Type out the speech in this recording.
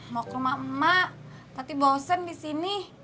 mau ke rumah emak emak tapi bosen di sini